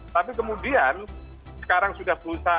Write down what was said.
tapi kemudian sekarang sudah berusaha